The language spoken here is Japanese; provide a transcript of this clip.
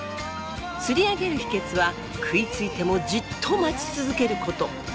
釣り上げる秘訣は食いついてもじっと待ち続けること！